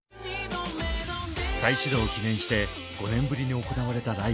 再始動を記念して５年ぶりに行われたライブ。